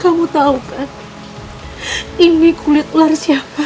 kamu tahu kan ini kulit ular siapa